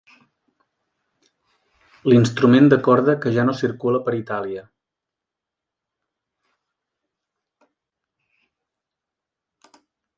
L'instrument de corda que ja no circula per Itàlia.